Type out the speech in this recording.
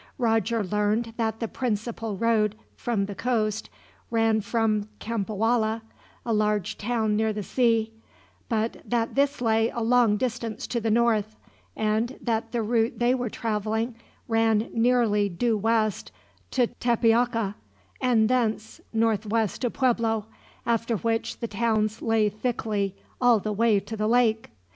Roger learned that the principal road from the coast ran from Cempoalla, a large town near the sea, but that this lay a long distance to the north, and that the route they were traveling ran nearly due west to Tepeaca, and thence northwest to Pueblo, after which the towns lay thickly, all the way to the lake.